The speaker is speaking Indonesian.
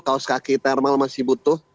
kaos kaki thermal masih butuh